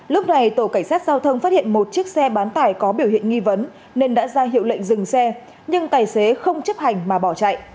lúc này tổ cảnh sát giao thông phát hiện một chiếc xe bán tải có biểu hiện nghi vấn nên đã ra hiệu lệnh dừng xe nhưng tài xế không chấp hành mà bỏ chạy